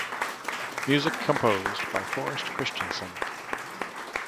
Music composed by Forest Christenson.